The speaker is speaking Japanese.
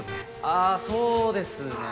ああそうですね。